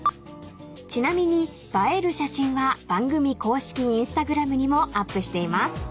［ちなみに映える写真は番組公式Ｉｎｓｔａｇｒａｍにもアップしています］